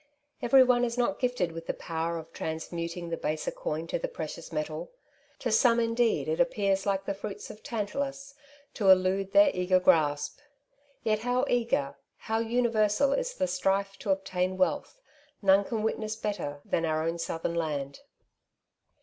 Every one is not gifted with the power of transmuting the baser coin to the precious metal. To some indeed it appears, like the fruits of Tantalus, to elude their eager grasp. Yet how eager, how universal is the strife to obtain wealth, none can witness better than our own southern land.